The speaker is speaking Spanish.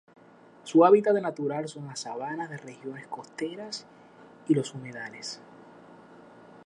Su hábitat natural son las sabanas de regiones costeras y los humedales.